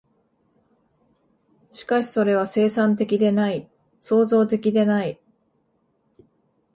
しかしそれは生産的でない、創造的でない。